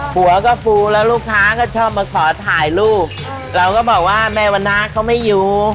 หัวก็ฟูแล้วลูกค้าก็ชอบมาขอถ่ายรูปเราก็บอกว่าแม่วันนาเขาไม่อยู่